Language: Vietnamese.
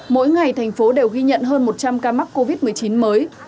mỗi ngày thành phố đều ghi nhận hơn một trăm linh ca mắc covid một mươi chín mới